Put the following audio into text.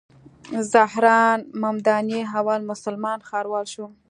زهران ممداني اول مسلمان ښاروال شو.